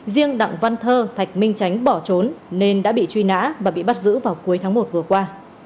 riêng đặng văn thơ thạch minh tránh bỏ trốn nên đã bị truy nã và bị bắt giữ vào cuối tháng một vừa qua